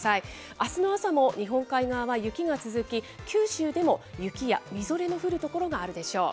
あすの朝も日本海側は雪が続き、九州でも雪やみぞれの降る所があるでしょう。